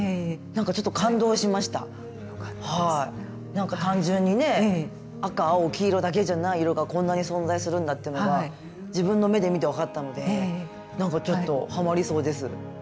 なんか単純にね赤青黄色だけじゃない色がこんなに存在するんだってのが自分の目で見て分かったのでなんかちょっとハマりそうです。